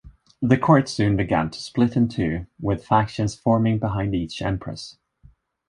The court soon began to split in two, with factions forming behind each empress.